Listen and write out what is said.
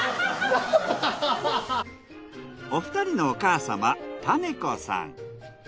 お二人のお母様種子さん。